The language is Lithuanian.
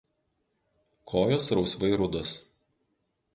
Kojos rausvai rudos.